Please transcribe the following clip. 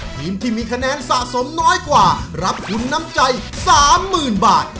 ทีมที่มีคะแนนสะสมน้อยกว่ารับทุนน้ำใจ๓๐๐๐บาท